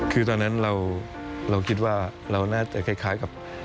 คือตอนนั้นเราคิดว่าเราน่าจะคล้ายกับ